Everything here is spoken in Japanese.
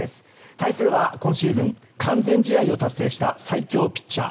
対するは今シーズン完全試合を達成した最強ピッチャー。